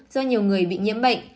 do nhiều người bị nhiễm bệnh